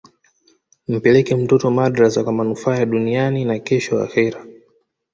mpeleke mtoto madrasa kwa manufaa ya duniani na kesho akhera